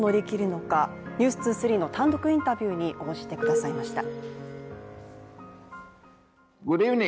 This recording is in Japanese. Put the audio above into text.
「ｎｅｗｓ２３」の単独インタビューに応じてくださいました。